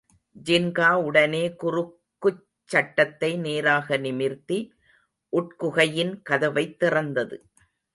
ஜின்கா உடனே குறுக்குச் சட்டத்தை நேராக நிமிர்த்தி, உட்குகையின் கதவைத் திறந்தது.